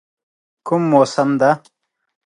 کوم موسم دی؟